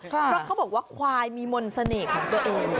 เพราะเขาบอกว่าควายมีมนต์เสน่ห์ของตัวเอง